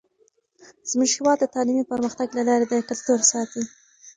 زموږ هیواد د تعلیمي پرمختګ له لارې د کلتور ساتئ.